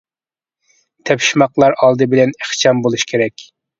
تېپىشماقلار ئالدى بىلەن ئىخچام بولۇش كېرەك.